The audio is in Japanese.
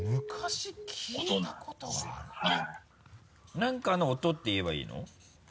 何かの音って言えばいいの？